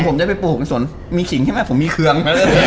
ผมอยากไปมีขิงที่หมายแล้วผมมีเคือง